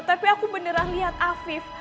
tapi aku beneran lihat afif